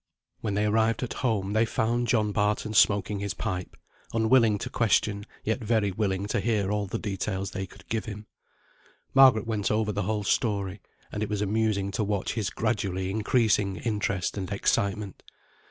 When they arrived at home, they found John Barton smoking his pipe, unwilling to question, yet very willing to hear all the details they could give him. Margaret went over the whole story, and it was amusing to watch his gradually increasing interest and excitement.